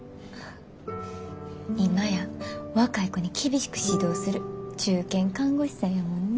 今や若い子に厳しく指導する中堅看護師さんやもんな。